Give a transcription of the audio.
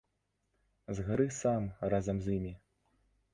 Згары сам разам з імі!